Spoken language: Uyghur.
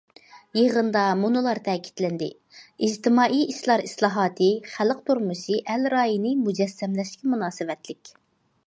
يىغىندا مۇنۇلار تەكىتلەندى: ئىجتىمائىي ئىشلار ئىسلاھاتى خەلق تۇرمۇشى، ئەل رايىنى مۇجەسسەملەشكە مۇناسىۋەتلىك.